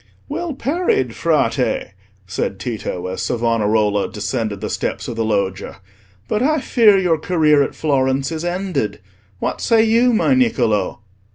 "Well parried, Frate!" said Tito, as Savonarola descended the steps of the Loggia. "But I fear your career at Florence is ended. What say you, my Niccolò?"